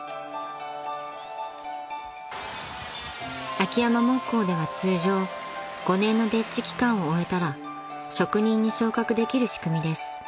［秋山木工では通常５年の丁稚期間を終えたら職人に昇格できる仕組みです］